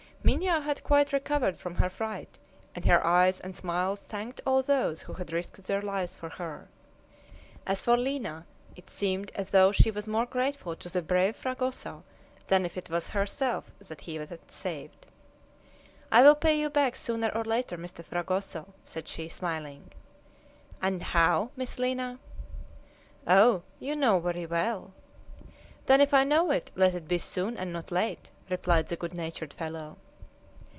Minha had quite recovered from her fright, and her eyes and smiles thanked all those who had risked their lives for her. As for Lina, it seemed as though she was more grateful to the brave Fragoso than if it was herself that he had saved. "I will pay you back, sooner or later, Mr. Fragoso," said she, smiling. "And how, Miss Lina?" "Oh! You know very well!" "Then if I know it, let it be soon and not late!" replied the good natured fellow.